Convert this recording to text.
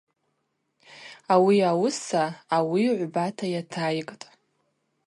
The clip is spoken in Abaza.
Ауи ауыса ауи гӏвбата йатайкӏтӏ.